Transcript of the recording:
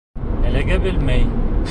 Әлегә белмәй!